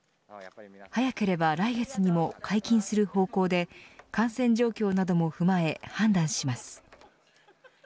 早ければ来月にも解禁する方向で感染状況なども踏まえ判断します。